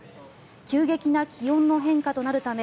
急激な気温の変化となるため